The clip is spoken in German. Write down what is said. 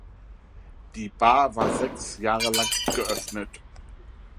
Die Bar war sechs Jahre lang geöffnet.